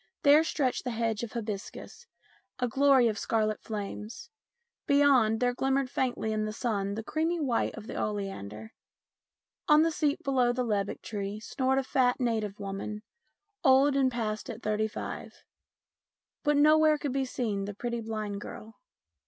There stretched the hedge of hibiscus, a glory of scarlet flames. Beyond, there glimmered faintly in the sun the creamy white of the oleander. On the seat below the lebbek tree snored a fat native woman, old and past at thirty five. But nowhere could be seen the pretty blind girl.